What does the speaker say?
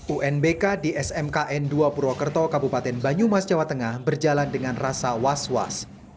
unbk di smkn dua purwokerto kabupaten banyumas jawa tengah berjalan dengan rasa was was